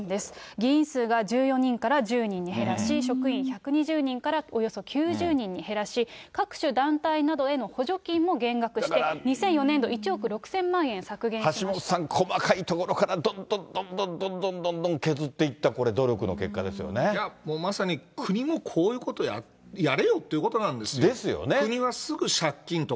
議員数が１４人から１０人に減らし、職員１２０人からおよそ９０人に減らし、各種団体などへの補助金も減額して、２００４年度、橋下さん、細かいところからどんどんどんどんどんどん削っていった、これ、いや、もうまさに国もこういうことやれよということなんですよ。ですよね。